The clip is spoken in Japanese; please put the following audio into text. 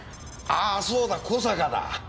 ああそうだ小坂だ。